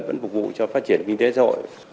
vẫn phục vụ cho phát triển kinh tế xã hội